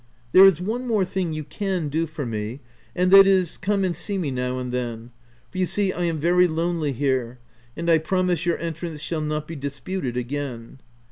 There is one more thing you can do for me, and that is, come and see me now and then — for you see I am very lonely here, and I promise your entrance shall not be disputed again."